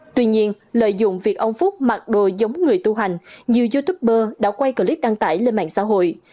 tuy nhiên lợi dụng việc ông phúc mặc đồ giống người tu hành như youtuber đã quay clip đăng tải lên mạng xã hội